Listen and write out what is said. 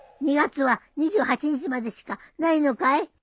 ２月は２８日までしかないのかい？